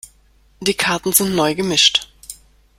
Die Karten sind neu gemischt.